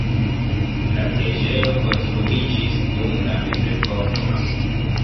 La preĝejo konstruiĝis dum la mezepoko.